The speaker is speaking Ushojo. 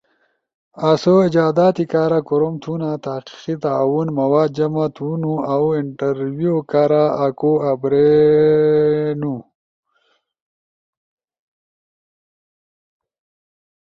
آسو ایجاداتی کارا کوروم تھونا، تحقیقی تعاون، مواد جمع تھونو، اؤ انٹرویو کارا آکو ابر